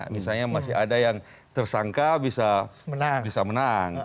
misalnya masih ada yang tersangka bisa menang